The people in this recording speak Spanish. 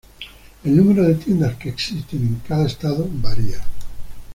El número de tiendas que existe en cada estado varía.